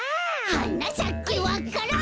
「はなさけわか蘭」